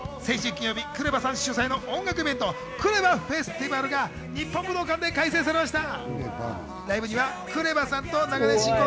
先週金曜日、ＫＲＥＶＡさん主催の音楽イベント「９０８フェスティバル」が日本武道館で開催されました。